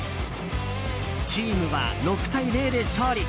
チームは６対０で勝利。